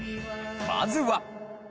まずは。